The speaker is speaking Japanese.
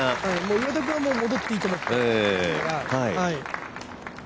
岩田君はもう戻っていいと思ってますから。